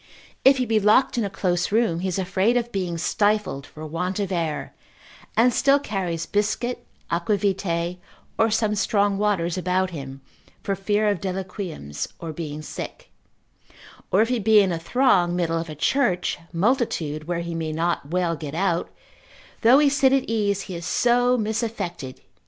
If he be locked in a close room, he is afraid of being stifled for want of air, and still carries biscuit, aquavitae, or some strong waters about him, for fear of deliquiums, or being sick; or if he be in a throng, middle of a church, multitude, where he may not well get out, though he sit at ease, he is so misaffected.